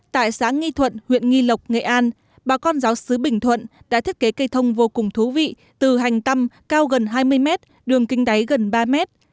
tại xã nghi thuận huyện nghi lộc nghệ an bà con giáo sứ bình thuận đã thiết kế cây thông vô cùng thú vị từ hành tâm cao gần hai mươi mét đường kinh đáy gần ba mét